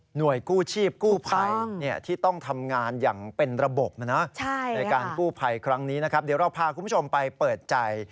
กู้ชีพกู้ภัยที่ต้องทำงานอย่างเป็นระบบนะนะในการกู้ภัยครั้งนี้นะครับเดี๋ยวเราพาคุณผู้ชมไปเปิดใจ